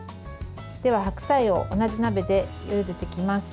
では、白菜を同じ鍋でゆでていきます。